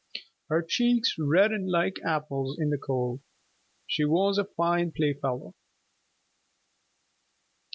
Her cheeks reddened like apples in the cold. She was a fine playfellow.